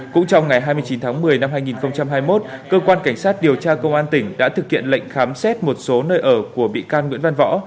cũng trong ngày hai mươi chín tháng một mươi năm hai nghìn hai mươi một cơ quan cảnh sát điều tra công an tỉnh đã thực hiện lệnh khám xét một số nơi ở của bị can nguyễn văn võ